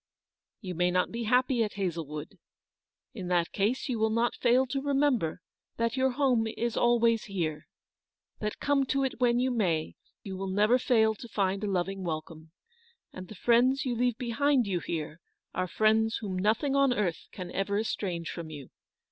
You may not be happy at Hazlewood. In that case you will not fail to remember that your home is always here ; that come to it when you may, you will never fail to find a loving welcome; and that the friends you leave behind 240 you here are friends whom nothing upon earth can ever estrange from you.